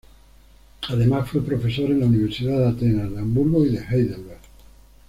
Además, fue profesor en las universidades de Atenas, de Hamburgo y de Heidelberg.